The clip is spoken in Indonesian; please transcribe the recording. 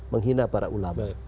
menghina para ulama